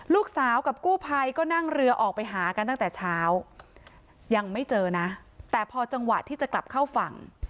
ลูกสาวกับกู้ภัยก็นั่งเรือออกไปหากันตั้งแต่เช้ายังไม่เจอนะแต่พอจังหวะที่จะกลับเข้าฝั่ง